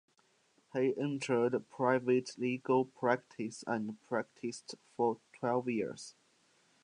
He entered private legal practice and practised for twelve years.